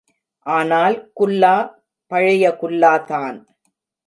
ஆனால் குல்லா பழைய குல்லாதான்.